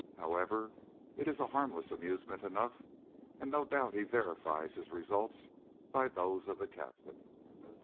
However, it is a harmless amusement enough, and no doubt he verifies his results by those of the Captain.